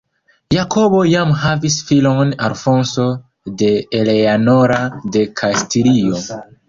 Jakobo jam havis filon Alfonso de Eleanora de Kastilio.